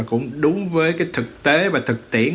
cũng đúng với thực tế và thực tiễn